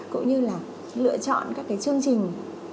cũng như là lựa chọn các cái chương trình